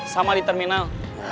sama di terminal